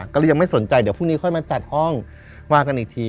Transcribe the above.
ก็เลยยังไม่สนใจเดี๋ยวพรุ่งนี้ค่อยมาจัดห้องว่ากันอีกที